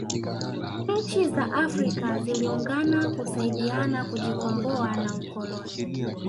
nchi za afrika ziliungana kusaidiana kujikomboa na ukoloni